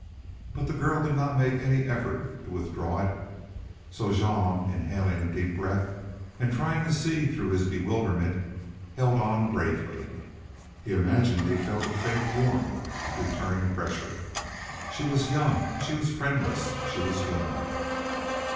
But the girl did not make any effort to withdraw it. So Jean, inhaling a deep breath and trying to see through his bewilderment, held on bravely. He imagined he felt a faint, warm, returning pressure. She was young, she was friendless, she was human.